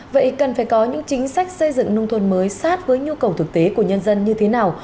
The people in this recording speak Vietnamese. vậy cần phải có những chính sách xây dựng nông thôn mới sát với nhu cầu thực tế của nhân dân như thế nào